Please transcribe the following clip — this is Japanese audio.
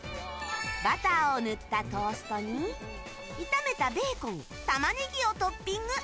バターを塗ったトーストに炒めたベーコンタマネギをトッピング！